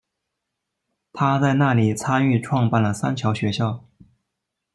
她在那里参与创办了三桥学校。